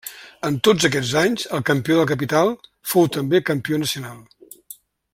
En tots aquests anys, el campió de la capital fou també campió nacional.